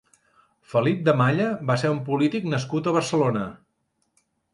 Felip de Malla va ser un polític nascut a Barcelona.